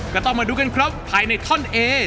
ก็ต้องมาดูกันครับภายในท่อนเอ